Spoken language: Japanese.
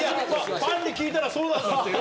ファンに聞いたらそうだってよ。